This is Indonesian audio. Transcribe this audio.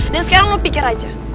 dan sekarang lo pikir aja